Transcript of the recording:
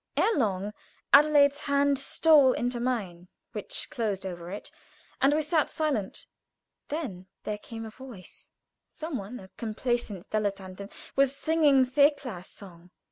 Ere long Adelaide's hand stole into mine, which closed over it, and we sat silent. Then there came a voice. Some one a complaisant dilettantin was singing Thekla's song.